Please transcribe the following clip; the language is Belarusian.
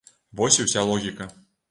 Вось і уся логіка.